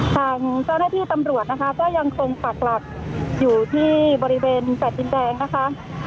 ทางเจ้าหน้าที่ตำรวจนะคะก็ยังคงปักหลักอยู่ที่บริเวณแฟลตดินแดงนะคะ